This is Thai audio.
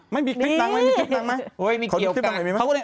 ไม่มีคลิปตั้งมั้ยมีคลิปตั้งมั้ย